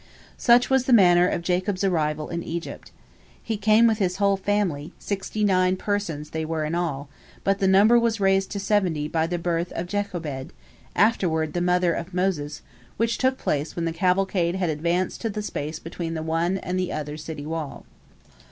" Such was the manner of Jacob's arrival in Egypt. He came with his whole family, sixty nine persons they were in all, but the number was raised to seventy by the birth of Jochebed, afterward the mother of Moses, which took place when the cavalcade had advanced to the space between the one and the other city wall.